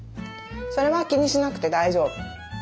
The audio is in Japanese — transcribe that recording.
それは気にしなくて大丈夫。